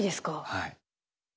はい。